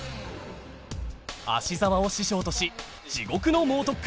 芦澤を師匠とし地獄の猛特訓